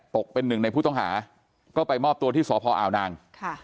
ตกเป็นหนึ่งในผู้ต้องหาก็ไปมอบตัวที่สพอาวนาง